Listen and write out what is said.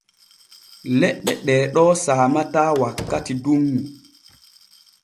Leɗɗe ɗee ɗo saamataa wakkati dunŋu.